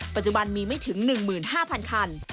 ปัจจุบันมีไม่ถึง๑๕๐๐คัน